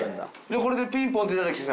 これでピンポンって来たときさ。